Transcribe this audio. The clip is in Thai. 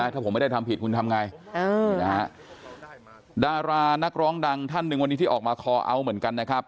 ถ้าผมไม่ได้ทำผิดคุณทำไงนี่นะฮะดารานักร้องดังท่านหนึ่งวันนี้ที่ออกมาคอเอาท์เหมือนกันนะครับ